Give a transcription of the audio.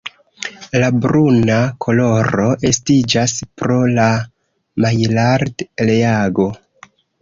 La bruna koloro estiĝas pro la Maillard-reago.